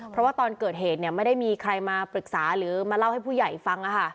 เพราะว่าตอนเกิดเหตุไม่ได้มีใครมาปรึกษาหรือมาเล่าให้ผู้ใหญ่ฟัง